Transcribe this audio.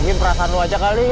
mungkin perasaan lu aja kali